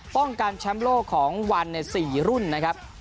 ป้องกันแชมป์โลกของวัน๔รุ่นนะครับ